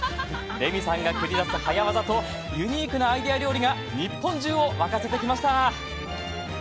レミさんが繰り出す早わざとユニークなアイデア料理が日本中を沸かせてきました。